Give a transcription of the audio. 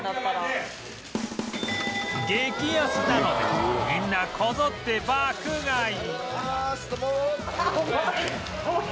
激安なのでみんなこぞって爆買い